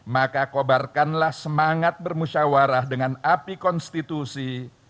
maka kobarkanlah semangat bermusyawarah dengan api konstitusi